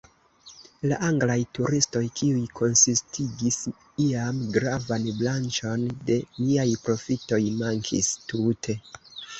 La Anglaj turistoj, kiuj konsistigis iam gravan branĉon de niaj profitoj, mankis tute.